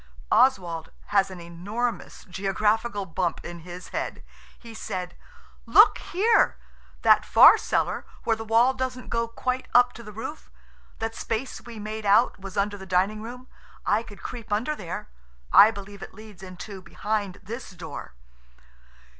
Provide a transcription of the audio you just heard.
Oswald has an enormous geographical bump in his head. He said– "Look here! That far cellar, where the wall doesn't go quite up to the roof–that space we made out was under the dining room–I could creep under there. I believe it leads into behind this door."